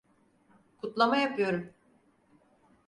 Kutlama yapıyorum.